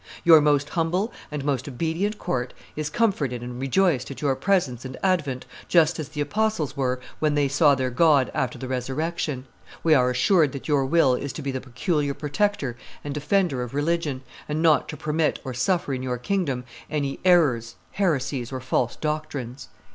Your most humble and most obedient court is comforted and rejoiced at your presence and advent, just as the apostles were when they saw their God after the resurrection. We are assured that your will is to be the peculiar protector and defender of religion, and not to permit or suffer in your kingdom any errors, heresies, or false doctrines."